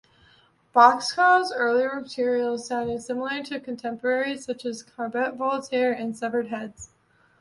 Boxcar's early material sounded similar to contemporaries such as Cabaret Voltaire and Severed Heads.